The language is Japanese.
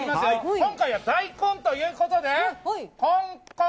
今回は大根ということでコン！